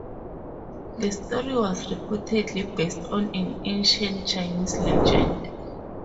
The story was reportedly based on an ancient Chinese legend.